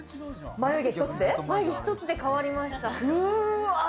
眉毛一つで変わりました。